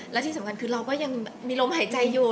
และที่สำคัญคือเราก็ยังมีลมหายใจอยู่